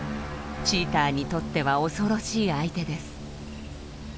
チーターにとっては恐ろしい相手です。